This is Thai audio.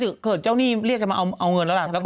ถ้าเจ้าเนี่ยเรียกกลับมาเอาเงินแล้วล่ะ